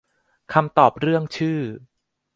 คำตอบเรื่องชื่อ